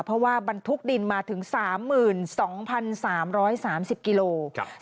เพราะว่าบรรทุกดินมาถึง๓๒๓๓๐กิโลกรัม